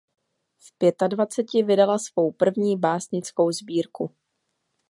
V pětadvaceti vydala svou první básnickou sbírku.